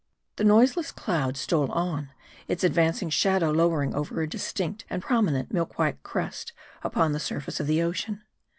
The noiseless cloud stole on ; its advancing shadow lowering over a distinct and prominent milk white crest upon the surface of the ocean.